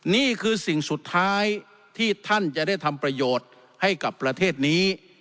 นี่คือสิ่งสุดท้ายที่ท่านจะได้ทำประโยชน์ให้กับประเทศนี้